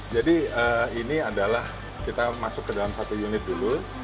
jadi ini adalah kita masuk ke dalam satu unit dulu